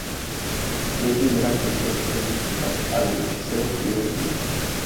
Incluye un gran concierto de música el anochecer del primer día.